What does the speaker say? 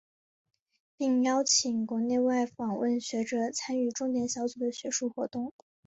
并邀请国内外访问学者参与重点小组的学术活动。